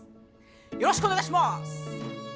よろしくお願いします！